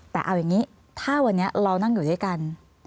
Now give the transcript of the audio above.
แต่เอาอย่างนี้ถ้าวันนี้เรานั่งอยู่ด้วยกัน